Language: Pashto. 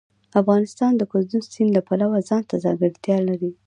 افغانستان د کندز سیند له پلوه ځانته ځانګړتیا لري.